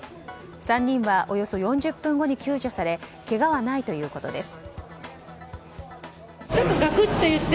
３人はおよそ４０分後に救助されけがはないということです。